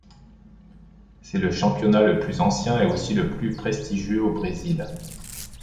C’est le championnat le plus ancien et aussi le plus prestigieux au Brésil.